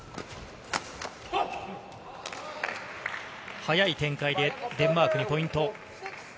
速い展開で、デンマークにポイント。